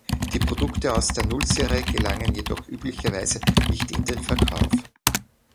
Die Produkte aus der Nullserie gelangen jedoch üblicherweise nicht in den Verkauf.